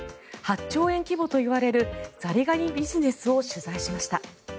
８兆円規模といわれるザリガニビジネスを取材しました。